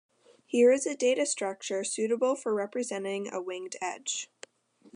Here is a data structure suitable for representing a winged edge.